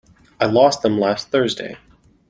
I lost them last Thursday.